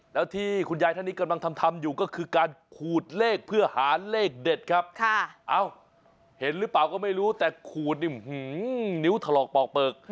แล้วที่คุณยายท่านนี้กำลังทำอยู่ก็คือการขูดเลขเพื่อหาเลขเด็ดครับเอ้าเห็นหรือเปล่าก็ไม่รู้แต่ขูดนี่นิ้วถลอกปอกเปลือก